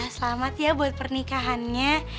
selamat ya buat pernikahannya